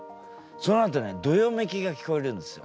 そのあとねどよめきが聞こえるんですよ